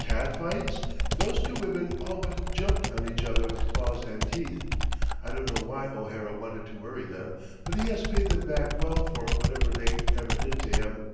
Cat fights? Those two women all but jumped on each other with claws and teeth. I don't know why O'Hara wanted to worry them, but he has paid them back well for whatever they ever did to him."